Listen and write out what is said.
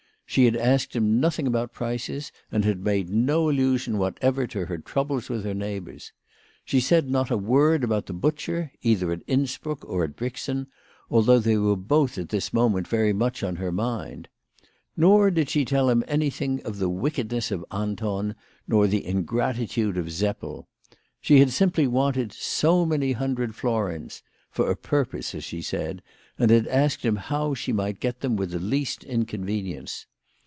She had asked him nothing about prices, and had made no allusion whatever to her troubles with her neighbours. She said not a word about the butcher, either at Innsbruck or at Brixen, although they were both at this moment very much on her mind. Nor did she tell him anything of the wickedness of Anton, nor of the ingratitude of Seppel. She had simply wanted so many hundred florins, for a purpose, as she said, and had asked him how she might get them with the least inconvenience.